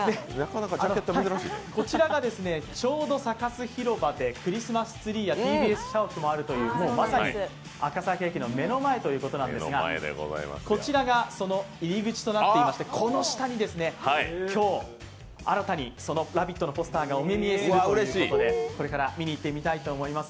こちらがちょうどサカス広場でクリスマスツリーやＴＢＳ社屋もあるというまさに赤坂駅の目の前ということなんですが、こちらが入り口となっていましてこの下に今日、新たにその「ラヴィット！」のポスターがお目見えするということでこれから見に行ってみたいと思います。